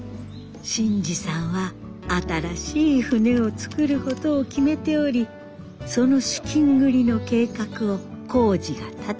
新次さんは新しい船を造ることを決めておりその資金繰りの計画を耕治が立ててあげていました。